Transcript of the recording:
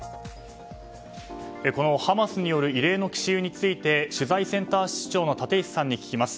このハマスによる異例の奇襲について取材部センター室長の立石さんに聞きます。